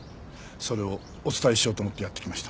それをお伝えしようと思ってやって来ました。